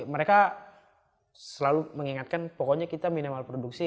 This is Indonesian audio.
mereka selalu mengingatkan pokoknya kita minimal produksi lima ribu piece